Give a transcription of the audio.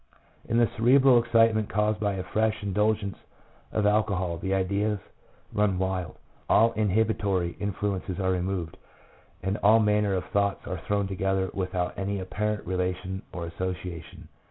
In the cerebral excitement caused by a fresh in dulgence of alcohol the ideas run wild, all inhibitory influences are removed, and all manner of thoughts are thrown together without any apparent relation or association.